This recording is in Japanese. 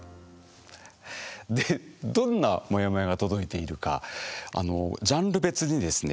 どんなモヤモヤが届いているかあのジャンル別にですね